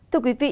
thưa quý vị